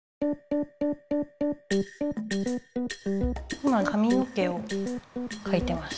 今かみの毛をかいてます。